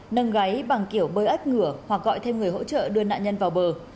nâng gáy bằng kiểu bơi ếch ngựa hoặc gọi thêm người hỗ trợ đưa nạn nhân vào bờ